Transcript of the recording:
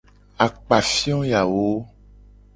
Akpafio yawo.